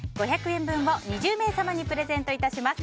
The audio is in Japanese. ５００円分を２０名様にプレゼントいたします。